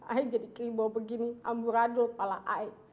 ay jadi kerimbau begini amburadul kepala ay